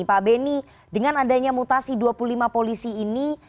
pak beni dengan adanya mutasi dua puluh lima polisi ini